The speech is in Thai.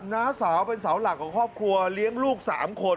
น้าสาวเป็นเสาหลักของครอบครัวเลี้ยงลูก๓คน